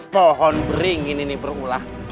pohon beringin ini berulah